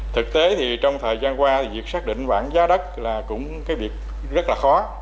thực tế thì trong thời gian qua thì việc xác định bảng giá đất là cũng cái việc rất là khó